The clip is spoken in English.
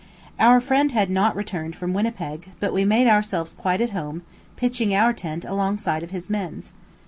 Our friend had not returned from Winnipeg, but we made ourselves quite at home, pitching our tent alongside of his men's.